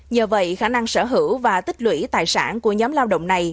nhờ vậy khả năng sở hữu và tích lũy tài sản của nhóm lao động này